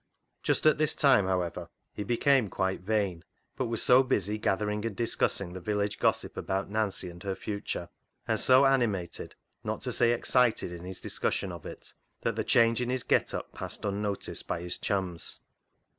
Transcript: Just at this time, however, he became quite vain, but was so busy gathering and dis cussing the village gossip about Nancy and her future, and so animated, not to say excited, in his discussion of it, that the change in his get up passed unnoticed by his chums.